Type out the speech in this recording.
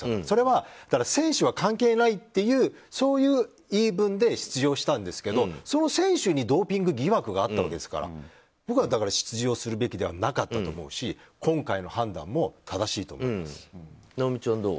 それは選手は関係ないというそういう言い分で出場したんですけどその選手にドーピング疑惑があったわけですから僕は出場するべきではなかったと思いますし今回の判断も正しいと思います。